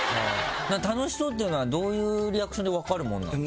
楽しそうっていうのはどういうリアクションで分かるもんなんですか？